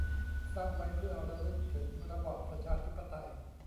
สร้างไว้เพื่อระลึกถึงระบอบประชาธิปไตย